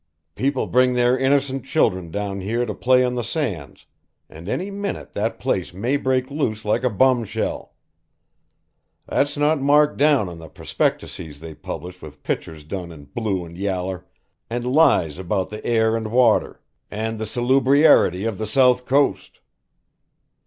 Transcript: People bring their innercent children down here to play on the sands, and any minit that place may break loose like a bum shell. That's not marked down on the prospectices they publish with pictures done in blue and yaller, and lies about the air and water, and the salubriarity of the South Coast."